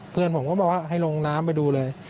เพื่อนผมก็บอกว่าให้ลงน้ำไปดูเลย